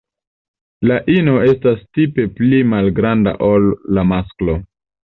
La ino estas tipe pli malgranda ol la masklo.